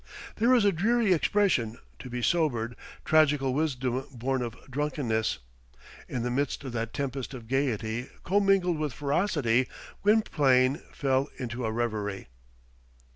There is a dreary expression to be sobered; tragical wisdom born of drunkenness! In the midst of that tempest of gaiety commingled with ferocity, Gwynplaine fell into a reverie.